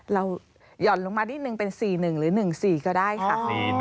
หย่อนลงมานิดนึงเป็น๔๑หรือ๑๔ก็ได้ค่ะ